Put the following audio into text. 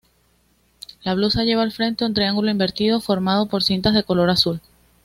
La blusa lleva al frente un triángulo invertido formado por cintas de color azul.